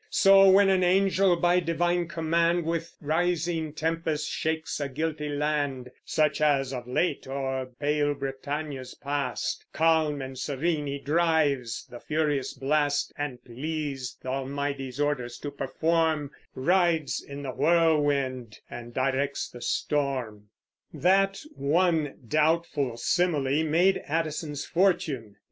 So when an angel by divine command With rising tempests shakes a guilty land, (Such as of late o'er pale Britannia past,) Calm and serene he drives the furious blast; And, pleased th' Almighty's orders to perform, Rides in the whirlwind, and directs the storm. That one doubtful simile made Addison's fortune.